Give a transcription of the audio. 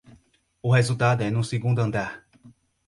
O resultado é no segundo andar